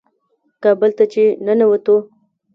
کابل ته چې ننوتو.